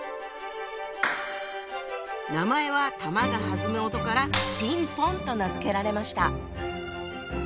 名前は球が弾む音から「ピンポン」と名付けられました。